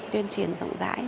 tuyên truyền rộng rãi